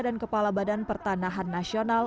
dan kepala badan pertanahan nasional